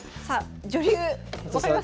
女流分かります？